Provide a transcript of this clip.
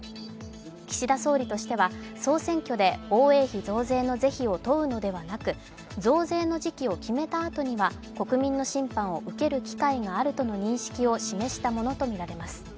岸田総理としては、総選挙で防衛費増税の是非を問うのではなく増税の時期を決めたあとには国民の審判を受ける機会があるとの認識を示したものとみられます。